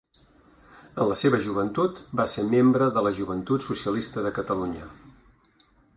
En la seva joventut va ser membre de la Joventut Socialista de Catalunya.